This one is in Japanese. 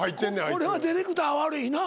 これはディレクター悪いな。